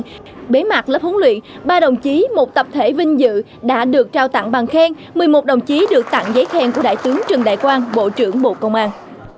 bế mạc lớp huấn luyện ba đồng chí một tập thể vinh dự đã được trao tặng bằng khen một mươi một đồng chí được tặng giấy khen của đại tướng trần đại quang bộ trưởng bộ công an